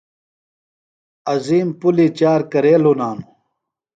عظیم پُلی چار کرے لُنانوۡ؟